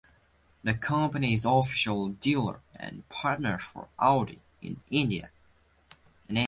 The company is an official dealer and partner for Audi in India.